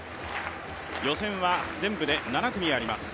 予選は全部で７組あります。